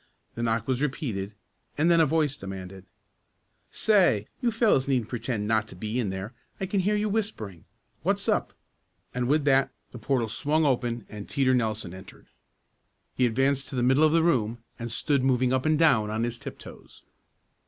The knock was repeated and then a voice demanded: "Say, you fellows needn't pretend not to be in there. I can hear you whispering. What's up?" and with that the portal swung open and Teeter Nelson entered. He advanced to the middle of the room and stood moving up and down on his tiptoes.